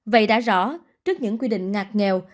vậy đã rõ trước những quy định ngạc nghèo